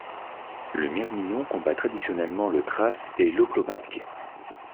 Le mirmillon combat traditionnellement le thrace et l'hoplomaque.